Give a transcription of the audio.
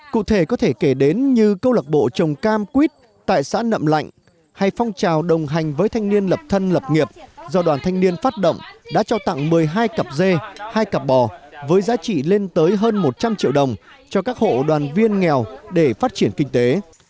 cụ thể có thể kể đến như câu lạc bộ trồng cam quýt tại xã nậm lạnh hay phong trào đồng hành với thanh niên lập thân lập nghiệp do đoàn thanh niên phát động đã cho tặng một mươi hai cặp dê hai cặp bò với giá trị lên tới hơn một trăm linh triệu đồng cho các hộ đoàn viên nghèo để phát triển kinh tế